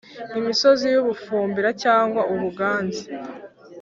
imisozi y u Bufumbira cyangwa ubuganza